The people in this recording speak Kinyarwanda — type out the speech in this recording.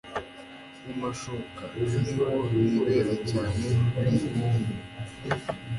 mumashuka niho nibera cyane buri guhe